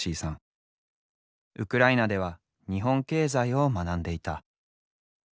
ウクライナでは日本経済を学んでいた。